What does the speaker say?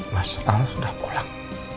mas al sudah pulang